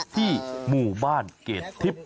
ที่หมู่บ้านเกรดทิพย์